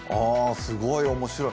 すごい面白い。